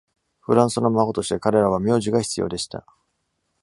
フランスの孫として、彼らは苗字が必要でした。